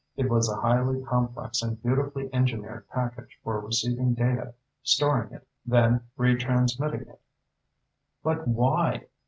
It was a highly complex and beautifully engineered package for receiving data, storing it, then retransmitting it. "But why?"